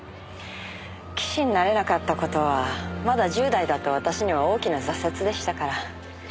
棋士になれなかった事はまだ１０代だった私には大きな挫折でしたから。